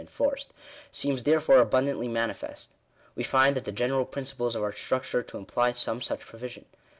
enforced, seems therefore abundantly manifest. We find the general principles of our structure to imply some such pro vision.